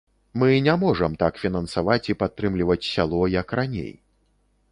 Мы не можам так фінансаваць і падтрымліваць сяло, як раней.